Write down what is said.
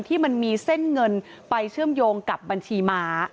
ที่มันมีเส้นเงินไปเชื่อมโยงกับบัญชีม้า